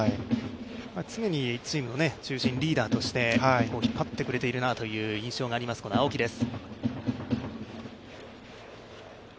常にチームの中心リーダーとして引っ張ってくれているなという印象があります青木です。